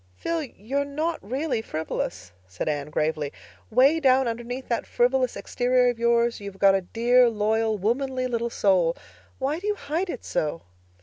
"Phil, you're not really frivolous," said Anne gravely. "'Way down underneath that frivolous exterior of yours you've got a dear, loyal, womanly little soul. Why do you hide it so?"